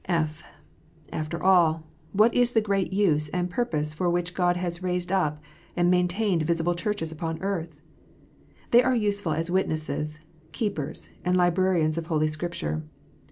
(/) After all, what is the great use and purpose for which God has raised up and maintained visible Churches upon earth 1 They are useful as witnesses, keepers, and librarians of Holy Scripture.